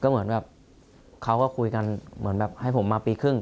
เหมือนแบบเขาก็คุยกันเหมือนแบบให้ผมมาปีครึ่ง